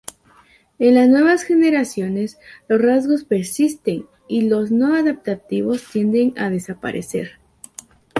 En las nuevas generaciones, los rasgos persisten, y los no adaptativos tienden a desaparecer.